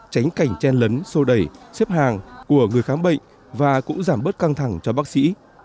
tránh cảnh chen lấn sô đẩy xếp hàng của người khám bệnh và cũng giảm bớt căng thẳng cho bác sĩ